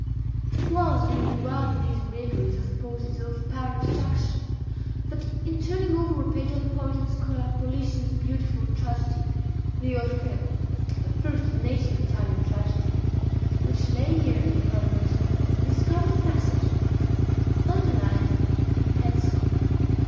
It was during one of these reveries or pauses of apparent abstraction, that, in turning over a page of the poet and scholar Politian's beautiful tragedy "The Orfeo," (the first native Italian tragedy,) which lay near me upon an ottoman, I discovered a passage underlined in pencil.